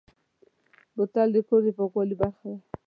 بوتل د کور د پاکوالي برخه ده.